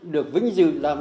được vinh dự làm